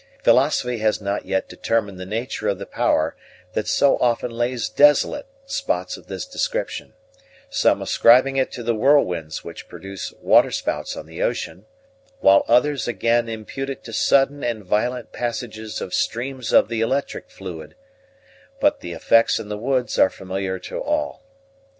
Philosophy has not yet determined the nature of the power that so often lays desolate spots of this description; some ascribing it to the whirlwinds which produce waterspouts on the ocean, while others again impute it to sudden and violent passages of streams of the electric fluid; but the effects in the woods are familiar to all.